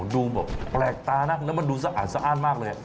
ดูแบบแปลกตาน่ะและมันดูสะอาดมากเลย